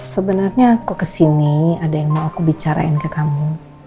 sebenarnya aku kesini ada yang mau aku bicarain ke kamu